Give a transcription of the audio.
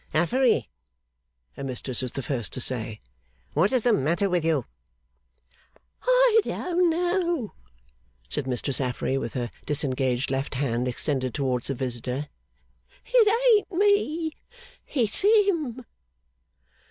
'Affery,' her mistress was the first to say, 'what is the matter with you?' 'I don't know,' said Mistress Affery, with her disengaged left hand extended towards the visitor. 'It ain't me. It's him!